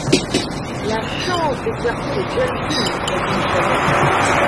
La chance d’exercer le « jumping, » répondit Paganel.